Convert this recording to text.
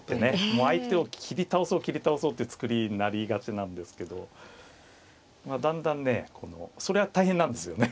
もう相手を斬り倒そう斬り倒そうっていう作りになりがちなんですけどだんだんねこのそれは大変なんですよね。